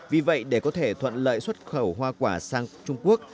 vì vậy để có thể thuận lợi xuất khẩu hoa quả sang trung quốc